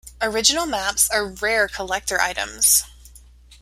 Original maps are rare collector items.